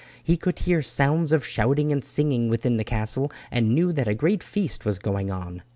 He could hear sounds of shouting and singing within the castle, and knew that a great feast was going on.